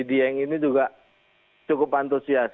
dieng ini juga cukup antusias